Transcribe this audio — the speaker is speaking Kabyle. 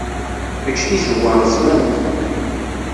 Eǧǧ tizewwa reẓment.